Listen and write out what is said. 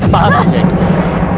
saya tahu igris